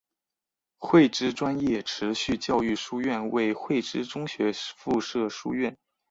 汇知专业持续教育书院为汇知中学附设书院。